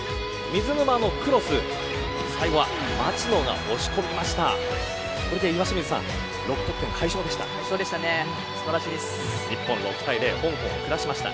水沼のクロスに最後は町野が押し込みました。